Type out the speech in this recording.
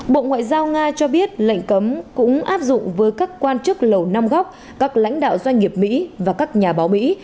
bộ ngoại giao nga cho biết lệnh cấm cũng áp dụng với các quan chức lầu nam góc các lãnh đạo doanh nghiệp mỹ và các nhà báo mỹ